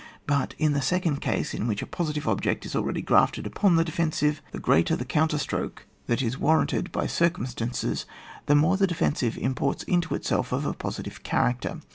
But in the second case, in which a positive object is already grafted upon the defensive, the greater the counter stroke that is warranted by circumstances the more the defensive imports into itself ofa positive character.